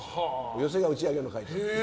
寄席が打ち上げの会場。